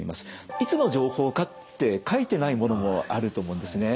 いつの情報かって書いてないものもあると思うんですね。